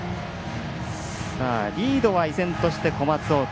リードは依然として小松大谷。